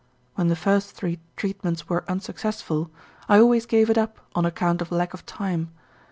When the first three treatments were unsuccessful, I always gave it up on account of lack of time.